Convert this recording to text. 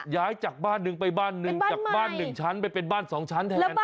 ย้ายจากบ้านหนึ่งไปบ้านหนึ่งจากบ้านหนึ่งชั้นเป็นบ้านสองชั้นแทนเป็นบ้านใหม่